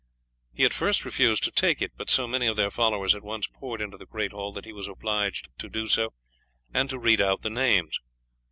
He at first refused to take it; but so many of their followers at once poured into the great hall that he was obliged to do so, and to read out the names.